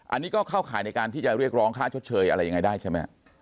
อันนี้ก็เข้าข่ายในการที่จะเรียกร้องค่าชดเชยอะไรยังไงได้ใช่ไหม